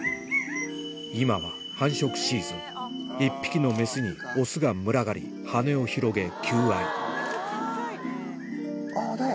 今は繁殖シーズン１匹のメスにオスが群がり羽を広げ求愛踊れ！